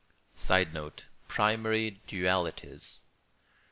[Sidenote: Primary dualities.